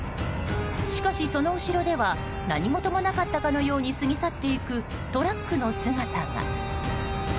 しかし、その後ろでは何事もなかったかのように過ぎ去っていくトラックの姿が。